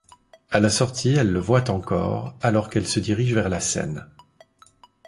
À la sortie elle le voit encore, alors qu'elle se dirige vers la Seine.